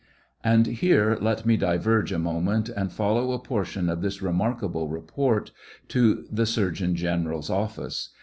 ' And here let me diverge a moment and follow a portion of this remarkable report to the surgeon general's office.